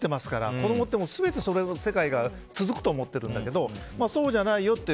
子供ってその世界がずっと続くと思ってるんだけどそうじゃないよっていう。